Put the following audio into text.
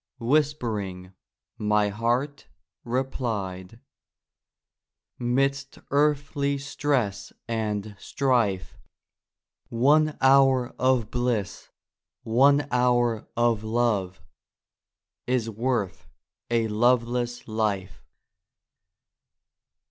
Whispering, my heart replied: " Midst earthly stress and strife, One hour of bliss, one hour of love, Is worth a loveless life!